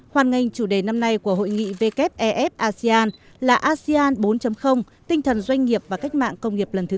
hoàn ngành chủ đề năm nay của hội nghị wef asean là asean bốn tinh thần doanh nghiệp và cách mạng công nghiệp lần thứ tư